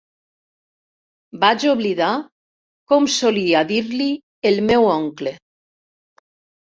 Vaig oblidar com solia dir-li el meu oncle.